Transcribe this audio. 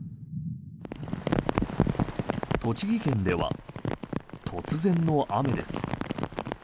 栃木県では突然の雨です。